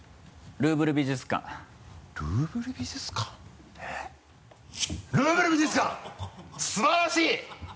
「ルーブル美術館」素晴らしい！